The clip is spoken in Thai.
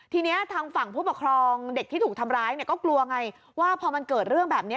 ทีนี้ทางฝั่งผู้ปกครองเด็กที่ถูกทำร้ายเนี่ยก็กลัวไงว่าพอมันเกิดเรื่องแบบนี้